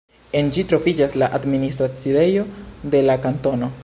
En ĝi troviĝas la administra sidejo de la kantono.